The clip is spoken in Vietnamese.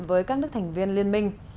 với các nước thành viên liên minh